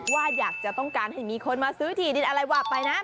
ว่าอยากจะต้องการให้มีคนมาซื้อที่ดินอะไรว่าไปนะ